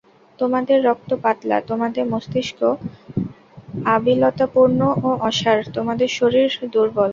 তোমাদের রক্ত পাতলা, তোমাদের মস্তিষ্ক আবিলতাপূর্ণ ও অসাড়, তোমাদের শরীর দুর্বল।